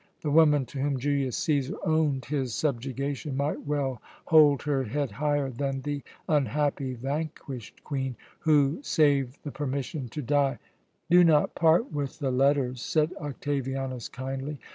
The woman to whom Julius Cæsar owned his subjugation might well hold her head higher than the unhappy, vanquished Queen who, save the permission to die " "Do not part with the letters," said Octavianus kindly.